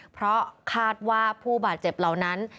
เพราะคาดว่าผู้บาดเจ็บเหล่านั้น